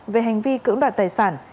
về hành vi cữ đoạt tài sản